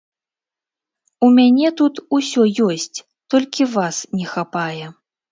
У мяне тут усё ёсць, толькі вас не хапае.